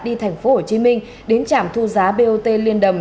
đi thành phố hồ chí minh đến trạm thu giá biêu tê liên đầm